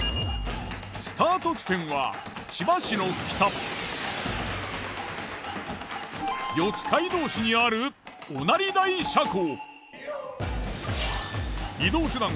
スタート地点は千葉市の北四街道市にある御成台車庫。